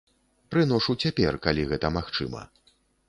Прыношу цяпер, калі гэта магчыма.